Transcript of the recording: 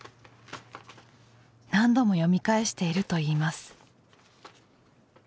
何度も読み返しているといいます。